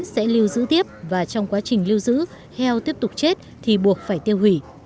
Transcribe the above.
sẽ lưu giữ tiếp và trong quá trình lưu giữ heo tiếp tục chết thì buộc phải tiêu hủy